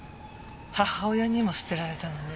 母親にも捨てられたのね。